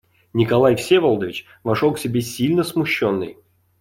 Николай Всеволодович вошел к себе сильно смущенный.